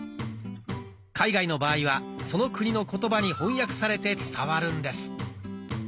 海外の場合はその国の言葉に翻訳されて伝わるんです。